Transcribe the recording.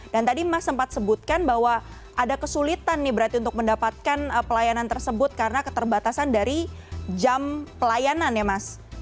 dan tadi mas sempat sebutkan bahwa ada kesulitan nih berarti untuk mendapatkan pelayanan tersebut karena keterbatasan dari jam pelayanan ya mas